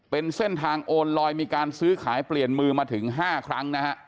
เป็นเส้นทางโอนลอยมีการซื้อขายเปลี่ยนมือมาถึง๕ครั้งนะฮะ